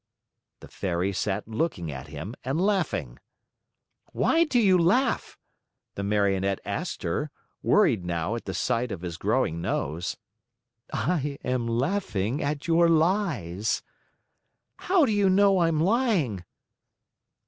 The Fairy sat looking at him and laughing. "Why do you laugh?" the Marionette asked her, worried now at the sight of his growing nose. "I am laughing at your lies." "How do you know I am lying?"